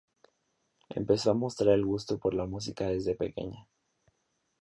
Empezó a mostrar el gusto por la música desde pequeña.